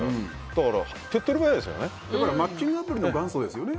だからマッチングアプリの元祖ですよね。